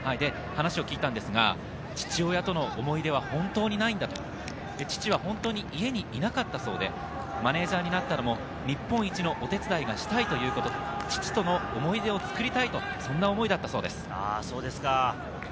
話を聞いたんですが、父親との思い出は本当にないんだと、父は本当に家にいなかったそうで、マネージャーになったのも日本一のお手伝いがしたいということ、父との思い出を作りたいと、そんな思いだったそうです。